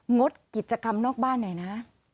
งดกิจกรรมนอกบ้านหน่อยนะ